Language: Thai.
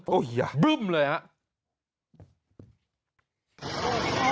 บึ้บมเลยนะ